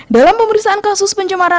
dalam pemeriksaan kasus pencemaran